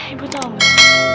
ibu tahu nggak